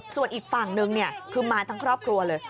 ส่วนอีกฝั่งนึงคือมาทั้งครอบครัวเลย